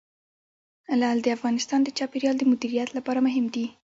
لعل د افغانستان د چاپیریال د مدیریت لپاره مهم دي.